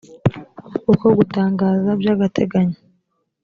uko gutangaza by’agateganyo